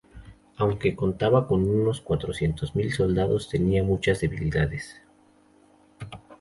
Aunque contaba con unos cuatrocientos mil soldados, tenía muchas debilidades.